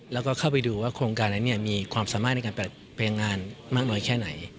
แล้วก็เข้าไปดูว่าโครงการนั้นมีความสามารถในการพลังงานมากน้อยแค่ไหน